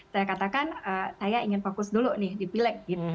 saya katakan saya ingin fokus dulu nih di pilek